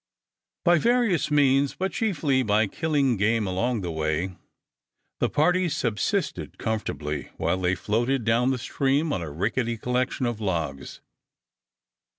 By various means, but chiefly by killing game along the way, the party subsisted comfortably while they floated down the stream on a rickety collection of logs.